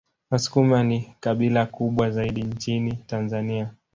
Wasukuma ni kabila kubwa zaidi nchini Tanzania